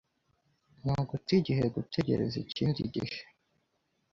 Ni uguta igihe gutegereza ikindi gihe.